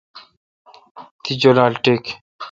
تی جولال ٹیک۔